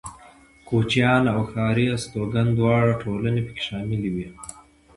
کوچيان او ښاري استوگن دواړه ټولنې پکې شاملې وې.